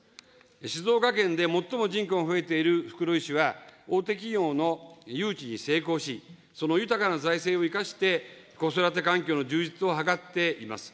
静岡県で最も人口が増えている袋井市は、大手企業の誘致に成功し、その豊かな財政を生かして、子育て環境の充実を図っています。